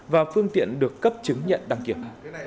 và phương tiện được cấp chứng nhận đăng kiểm